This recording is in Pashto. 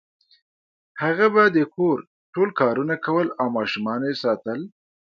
هغه به د کور ټول کارونه کول او ماشومان یې ساتل